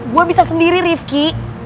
gue bisa sendiri rifki